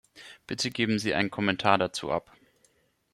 Bitte geben Sie einen Kommentar dazu ab.